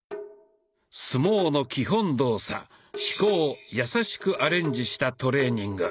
相撲の基本動作四股をやさしくアレンジしたトレーニング。